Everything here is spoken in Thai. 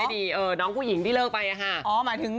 เพิศองคลิกที่เลิกไปแล้ว